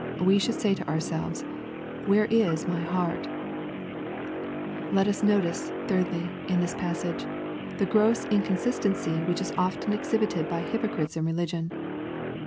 We should say to ourselves, " Where is my heart ?'* Let us notice, thirdly, in this passage, the gross incon sistency which is often exhibited by hypocrites in relig^ ion.